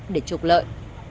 để trục lợi